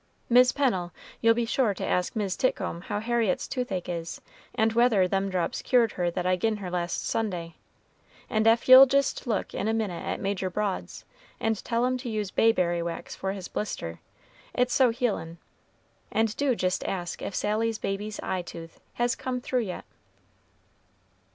Mis' Pennel, you'll be sure to ask Mis' Titcomb how Harriet's toothache is, and whether them drops cured her that I gin her last Sunday; and ef you'll jist look in a minute at Major Broad's, and tell 'em to use bayberry wax for his blister, it's so healin'; and do jist ask if Sally's baby's eye tooth has come through yet."